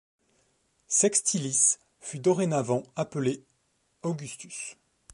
Sextilis fut dorénavant appelé Augustus.